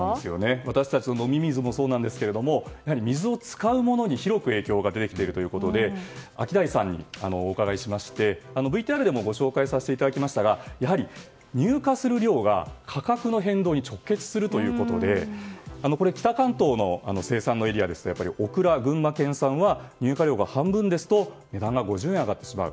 私たちの飲み水もそうですが水を使うものに広く影響が出てきているということでアキダイさんにお伺いしましてＶＴＲでもご紹介しましたがやはり、入荷する量が価格の変動に直結するということで北関東の生産のエリアですとオクラ、群馬県産は入荷量が半分ですと値段が５０円上がってしまう。